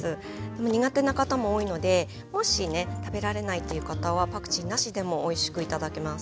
苦手な方も多いのでもしね食べられないっていう方はパクチーなしでもおいしく頂けます。